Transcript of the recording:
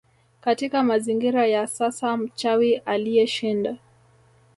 Katika mazingira ya sasa mchawi aliyeshind